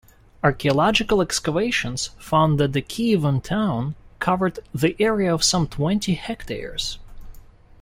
Archaeological excavations found that the Kievan town covered the area of some twenty hectares.